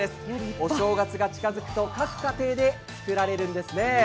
お正月が近づくと、各家庭で作られるんですね。